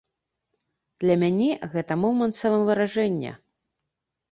Для мяне гэта момант самавыражэння.